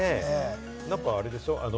何かあれでしょ？